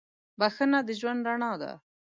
• بخښنه د ژوند رڼا ده.